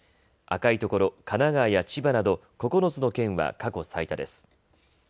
赤いところ、神奈川や千葉など９つの県は過去最多です。